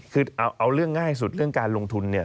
คือเอาเรื่องง่ายสุดเรื่องการลงทุนเนี่ย